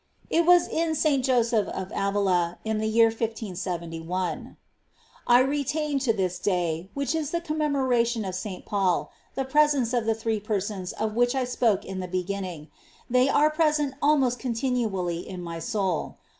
It was in S. Joseph of Avila, in the year 1571. 9. I retain to this day, which is the commemoration of S. Paul, the presence of the Three Persons of which I spoke in the beginning ;^ They are present almost continually in my soul.